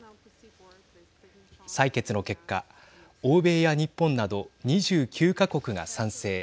採決の結果欧米や日本など２９か国が賛成。